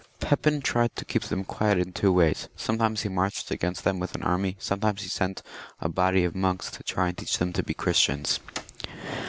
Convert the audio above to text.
Pepin tried to keep them quiet in two ways ; some times he marched against them with an army, sometimes he sent a body of monks to try and teach them to be Christians.